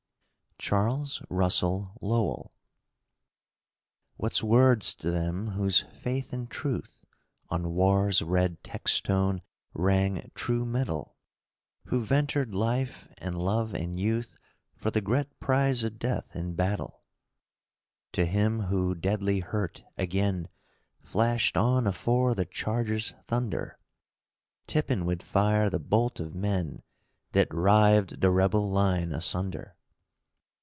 CHARLES RUSSELL LOWELL Wut's wurds to them whose faith an' truth On war's red techstone rang true metal, Who ventered life an' love an, youth For the gret prize o' death in battle? To him who, deadly hurt, agen Flashed on afore the charge's thunder, Tippin' with fire the bolt of men Thet rived the rebel line asunder?